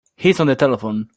He's on the telephone.